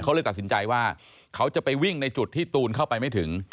เขาเลยตัดสินใจว่าเขาจะไปวิ่งในจุดที่ตูนเข้าไปไม่ถึง